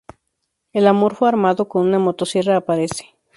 El amorfo armado con una motosierra aparece.